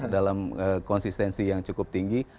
dalam konsistensi yang cukup tinggi